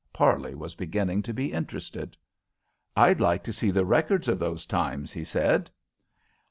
Parley was beginning to be interested. "I'd like to see the records of those times," he said.